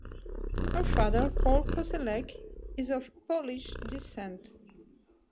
Her father Paul Kosellek is of Polish descent.